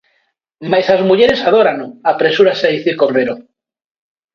Mais "as mulleres adórano", apresúrase a dicir Cordero.